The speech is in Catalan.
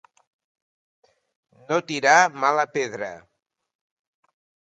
No tirar mala pedra.